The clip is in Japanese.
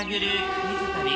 クイズ旅。